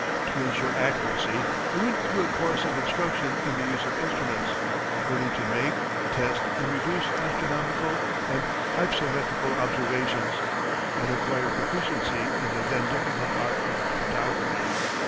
To ensure accuracy he went through a course of instruction in the use of instruments, learning to make, test, and reduce astronomical and hypsometrical observations, and acquired proficiency in the then difficult art of photography.